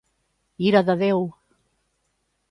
Ira de Déu!